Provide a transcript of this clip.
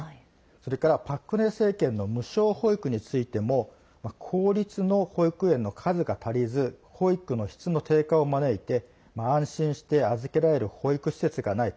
それからパク・クネ政権の無償保育についても公立の保育園の数が足りず保育の質の低下を招いて安心して預けられる保育施設がない。